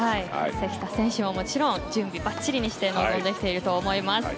関田選手ももちろん準備ばっちりにして臨んできていると思います。